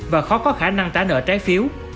và khó có khả năng tả nợ trái phiếu